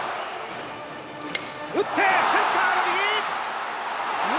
打ってセンターの右！